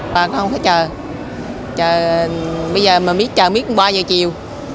bà không phải chờ bây giờ mà chờ biết cũng qua giờ chiều